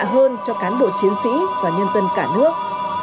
tốt hơn cho cán bộ chiến sĩ và nhân dân cả nước